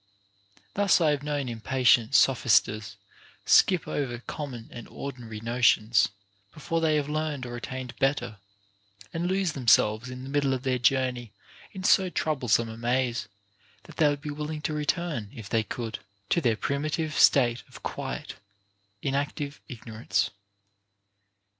Thus I have known impatient sophisters skip over common and ordinary notions, before they have learned or attained better, and lose themselves * From Sophocles, Frajj. 757. OF MAN'S PROGRESS IN VIRTUE. 453 in the middle of their journey in so troublesome a maze, that they would be willing to return (if they could) to their primitive state of quiet, inactive ignorance.